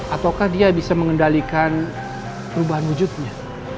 ataukah dia bisa mengendalikan perubahan wujudnya